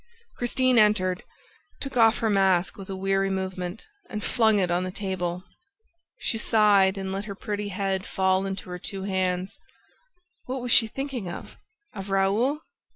Christine entered, took off her mask with a weary movement and flung it on the table. She sighed and let her pretty head fall into her two hands. What was she thinking of? Of Raoul?